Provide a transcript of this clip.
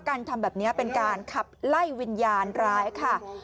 การทำแบบนี้เป็นการขับไล่วิญญาณร้ายค่ะ